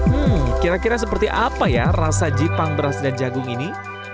hmm kira kira seperti apa ya rasa jipang beras dan jagung ini